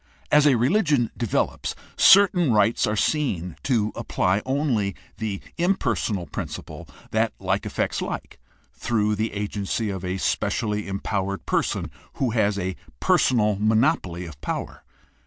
As religion develops, certain rites are seen to apply only the impersonal principle that like affects like through the agency of a specially empow ered person who has a personal monopoly of power.